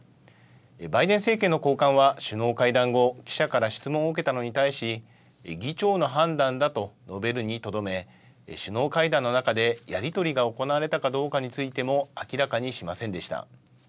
バイデン政権の高官は首脳会談後記者から質問を受けたのに対し議長の判断だと述べるにとどめ首脳会談の中で、やりとりが行われたかどうかについても明らかにしませんでした。